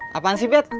kapan sih bet